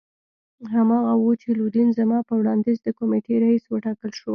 هماغه وو چې لودین زما په وړاندیز د کمېټې رییس وټاکل شو.